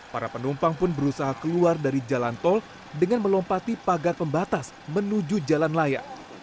para penumpang pun berusaha keluar dari jalan tol dengan melompati pagar pembatas menuju jalan raya